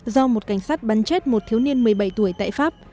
do một cảnh sát bắn chết một thiếu niên một mươi bảy tuổi tại pháp